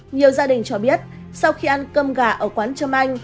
nhiều gia đình cho biết sau khi ăn cơm gà ở quán trâm anh